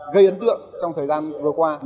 gây ấn tượng trong thời gian vừa qua